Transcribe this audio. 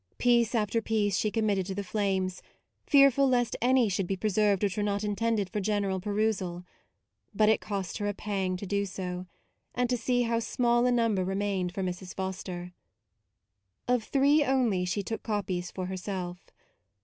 Piece after piece she committed to the flames, fearful lest any should be preserved which were not intended for general perusal : but it cost her a MAUDE 117 pang to do so ; and to see how small a number remained for Mrs. Foster. Of three only she took copies for herself.